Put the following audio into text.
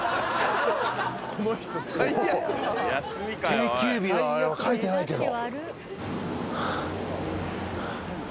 定休日は書いてないけど。